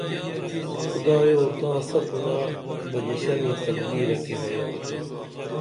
خدایو تاں سپُونہ بژِسنی تقدیرہ کی حیرن تُھنم